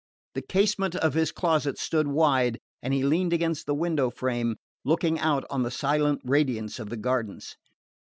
The casement of his closet stood wide, and he leaned against the window frame, looking out on the silent radiance of the gardens.